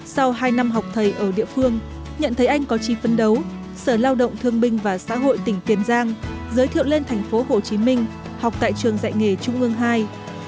sau hai năm học thầy ở địa phương nhận thấy anh có chi phân đấu sở lao động thương binh và xã hội tỉnh tiền giang giới thiệu lên thành phố hồ chí minh học tại trường dạy nghề trung ương ii